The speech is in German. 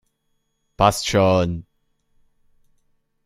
Passt schon!